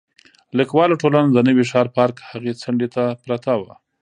لیکوالو ټولنه د نوي ښار پارک هغې څنډې ته پرته وه.